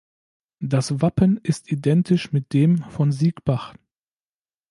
Das Wappen ist identisch mit dem von Siegbach.